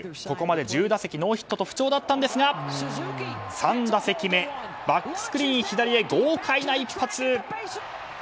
ここまで１０打席ノーヒットと不調だったんですが３打席目、バックスクリーン左へ豪快な一発。